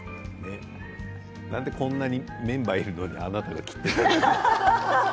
なんでこんなメンバーいるのにあなたが切っているの。